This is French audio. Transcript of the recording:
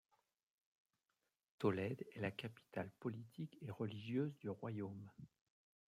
Tolède est la capitale politique et religieuse du royaume.